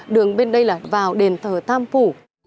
đường bên đây là vào đền thờ tam phủ